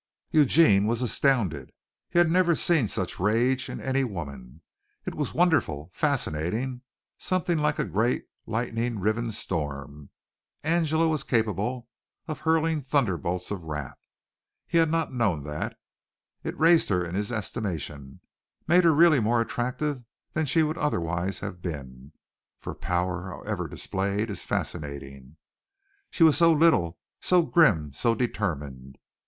Eugene was astounded. He had never seen such rage in any woman. It was wonderful, fascinating, something like a great lightning riven storm. Angela was capable of hurling thunderbolts of wrath. He had not known that. It raised her in his estimation made her really more attractive than she would otherwise have been, for power, however displayed, is fascinating. She was so little, so grim, so determined!